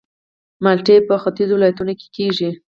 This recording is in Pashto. مالټې په ختیځو ولایتونو کې کیږي